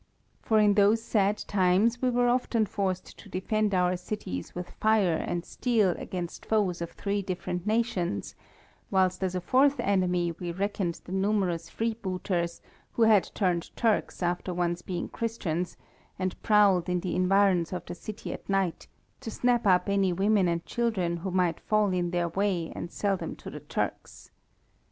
For in those sad times we were often forced to defend our cities with fire and steel against foes of three different nations, whilst as a fourth enemy we reckoned the numerous freebooters, who had turned Turks after once being Christians, and prowled in the environs of the city at night, to snap up any women and children who might fall in their way and sell them to the Turks.